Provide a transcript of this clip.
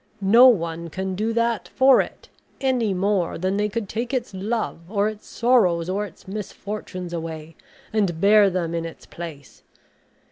No one can do that for it, any more than they could take its love, or its sorrows, or its misfortunes away, and bear them in its place.